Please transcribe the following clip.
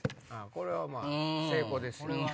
これはまぁ成功ですよ。